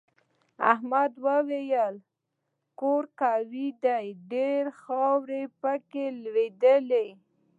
احمد وویل کور قوي دی ډېره خاوره پکې لگېدلې.